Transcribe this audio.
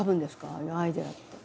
ああいうアイデアって。